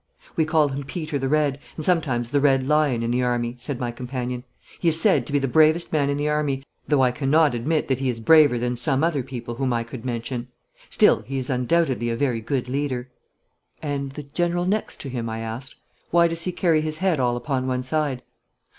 'We call him Peter the Red, and sometimes the Red Lion, in the army,' said my companion. 'He is said to be the bravest man in the army, though I cannot admit that he is braver than some other people whom I could mention. Still he is undoubtedly a very good leader.' 'And the general next him?' I asked. 'Why does he carry his head all upon one side?'